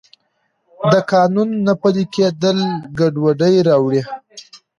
د قانون نه پلی کیدل ګډوډي راوړي.